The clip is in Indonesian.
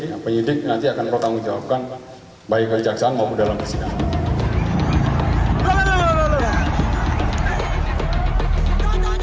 yang penyidik nanti akan bertanggung jawabkan baik di jaksan maupun dalam kesidangan